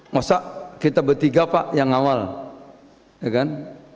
masa kita bertiga pak yang awal ya kan